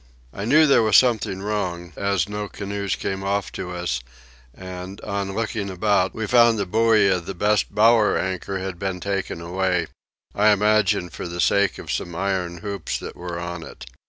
I knew there was something wrong, as no canoes came off to us and, on looking about, we found the buoy of the best bower anchor had been taken away, I imagine for the sake of some iron hoops that were on it.